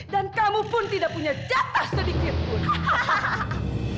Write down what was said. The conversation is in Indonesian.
dan kamu pun tidak punya jatah sedikit pun